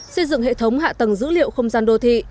xây dựng hệ thống hạ tầng dữ liệu không gian đô thị